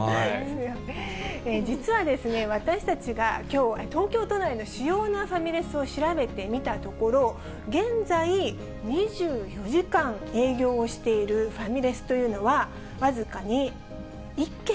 実は、私たちがきょう、東京都内の主要なファミレスを調べてみたところ、現在、２４時間営業をしているファミレスというのは、１軒？